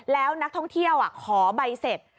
แล้วนักท่องเที่ยวขอใบเสร็จ